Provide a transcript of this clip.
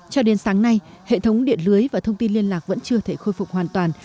cho đến sáng nay hệ thống điện lưới và thông tin liên lạc vẫn chưa thể khôi phục hoàn toàn